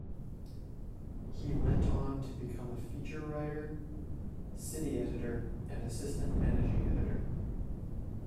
He went on to become a feature writer, city editor, and assistant managing editor.